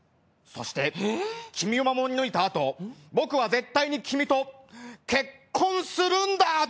そして君を守り抜いたあと僕は絶対に君と結婚するんだ」。